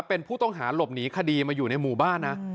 เป็นผู้ต้องหาหลบหนีคดีมาอยู่ในหมู่บ้านนะ